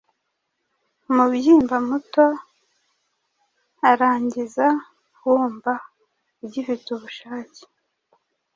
umubyimba muto arangiza wumva ugifite ubushake,